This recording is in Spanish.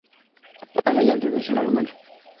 Actuaba mediante tracción humana.